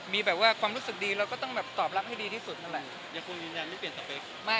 มีความรู้สึกดีเราก็ต้องตอบรับให้ดีที่สุดนั่นแหละ